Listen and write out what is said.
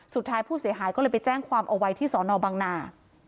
สุดท้ายผู้เสียหายก็เลยไปแจ้งความเอาไว้ที่สอนอบังนา